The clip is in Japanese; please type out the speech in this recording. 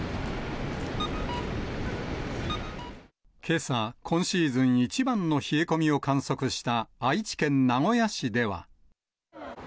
けさ、今シーズン一番の冷え込みを観測した愛知県名古屋市では。